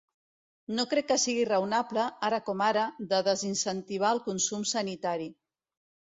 No crec que sigui raonable, ara com ara, de desincentivar el consum sanitari.